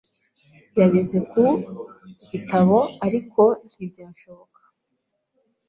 yageze ku gitabo, ariko ntibyashoboka.